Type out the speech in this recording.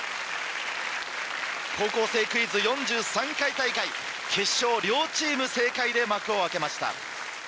『高校生クイズ』４３回大会決勝両チーム正解で幕を開けました。